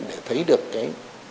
để thấy được cái